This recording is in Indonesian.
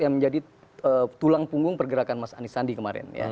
yang menjadi tulang punggung pergerakan mas anies sandi kemarin